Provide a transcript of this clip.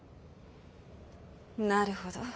なるほど。